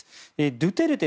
ドゥテルテ